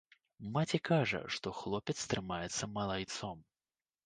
Маці кажа, што хлопец трымаецца малайцом.